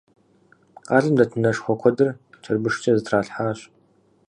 Къалэм дэт унэшхуэ куэдыр чырбышкӏэ зэтралъхьащ.